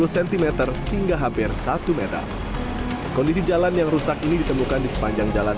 cm hingga hampir satu meter kondisi jalan yang rusak ini ditemukan di sepanjang jalan